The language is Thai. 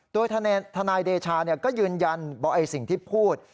โดยทนายเดชาก็ยืนยันบอกสิ่งที่พูด